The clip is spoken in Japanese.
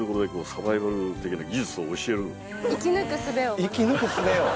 ナイフ⁉生き抜くすべを。